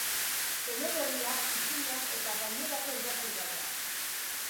Eleberriak, ipuinak eta gainerako irakurgaiak.